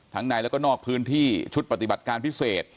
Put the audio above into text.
ในแล้วก็นอกพื้นที่ชุดปฏิบัติการพิเศษ